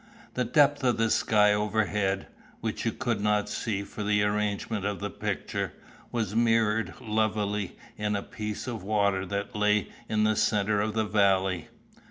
The depth of the sky overhead, which you could not see for the arrangement of the picture, was mirrored lovelily in a piece of water that lay in the centre of the valley.